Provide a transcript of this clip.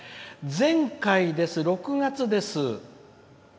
前回です、６月です。